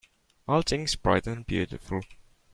All things bright and beautiful.